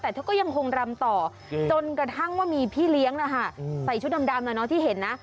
แต่เธอก็ยังคงรำต่อจนกระทั่งว่ามีพี่เลี้ยงนะคะใส่ชุดดำที่เห็นนะ